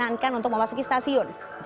jika suhu tubuh melebihi batas normal